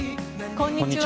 こんにちは。